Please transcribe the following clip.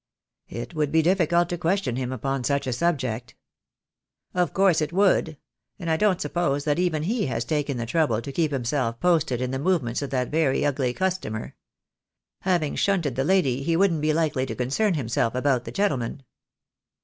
"It would be difficult to question him upon such a subject." "Of course it would; and I don't suppose that even he has taken the trouble to keep himself posted in the movements of that very ugly customer. Having shunted the lady he wouldn't be likely to concern himself about the gentleman."